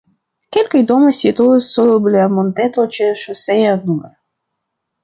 Kelkaj domoj situas sub la monteto ĉe ŝoseo nr.